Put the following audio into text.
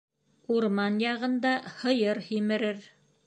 Урман яғында һыйыр һимерер.